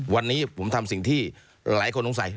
วันนี้ผมทำสิ่งที่หลายคนสงสัย